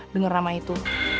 dengar nama itu